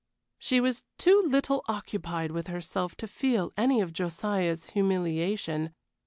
She was too little occupied with herself to feel any of Josiah's humiliation.